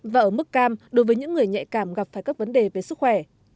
và ở mức cam đối với những người nhạy cảm gặp phải các vấn đề về sức khỏe